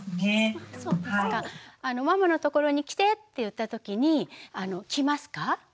「ママのところに来て」って言った時に来ますか？